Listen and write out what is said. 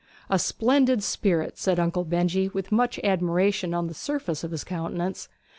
'A splendid spirit!' said Uncle Benjy, with much admiration on the surface of his countenance.